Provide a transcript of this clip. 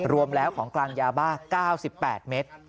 รวมแล้วของกลางยาบ้า๙๘เมตร